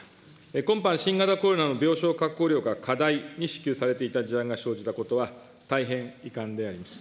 今般、新型コロナの病床確保料が過大に支給されていた事案が生じたことは、大変遺憾であります。